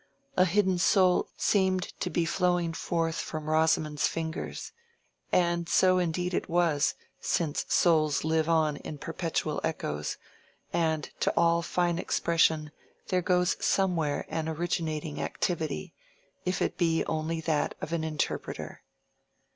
A hidden soul seemed to be flowing forth from Rosamond's fingers; and so indeed it was, since souls live on in perpetual echoes, and to all fine expression there goes somewhere an originating activity, if it be only that of an interpreter.